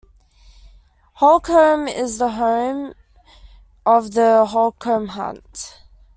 Holcombe is the home of the Holcombe Hunt.